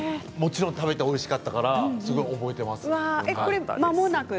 もちろん食べておいしかったからすごい覚えています。